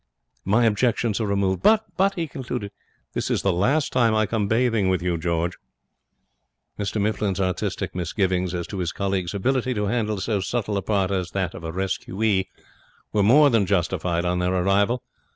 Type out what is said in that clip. My objections are removed. But,' he concluded, 'this is the last time I come bathing with you, George.' Mr Mifflin's artistic misgivings as to his colleague's ability to handle so subtle a part as that of rescuee were more than justified on their arrival.